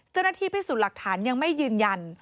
เจ้าหน้าที่พิสูจน์หลักฐานยังไม่ยืนยัน